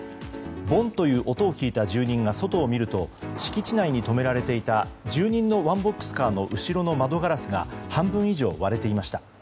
ぼんという音を聞いた住民が外を見ると敷地内に止められていた住人のワンボックスカーの後ろの窓ガラスが半分以上割れていました。